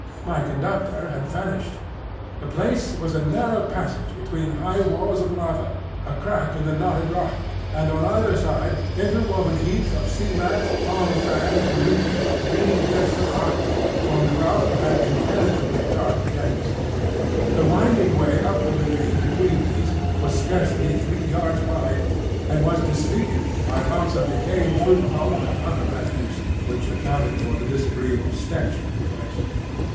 My conductor had vanished. The place was a narrow passage between high walls of lava, a crack in the knotted rock, and on either side interwoven heaps of sea mat, palm fans, and reeds leaning against the rock formed rough and impenetrably dark dens. The winding way up the ravine between these was scarcely three yards wide, and was disfigured by lumps of decaying fruit pulp and other refuse, which accounted for the disagreeable stench of the place.